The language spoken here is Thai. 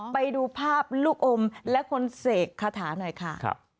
ไปดูภาพลูกอมและคนเสกคาถาหน่อยค่ะ